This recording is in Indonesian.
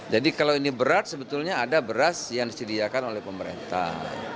jadi kalau ini berat sebetulnya ada beras yang disediakan oleh pemerintah